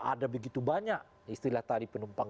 ada begitu banyak istilatari penumpang